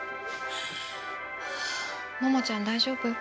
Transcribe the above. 桃ちゃん大丈夫？